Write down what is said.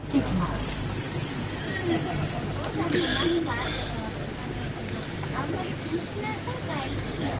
お父さんと何があったかは聞かないけどあんまり気にしない方がいいよ。